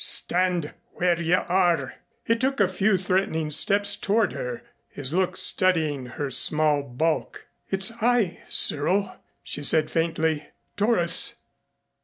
"Stand where you are!" He took a few threatening steps toward her, his look studying her small bulk. "It's I, Cyril," she said faintly, "Doris."